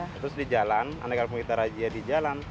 terus di jalan aneka punggitan rajia di jalan